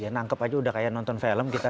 nangkep aja udah kayak nonton film kita